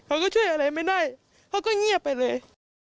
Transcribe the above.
เขาก็ช่วยอะไรไม่ได้เขาก็เงียบไปเลย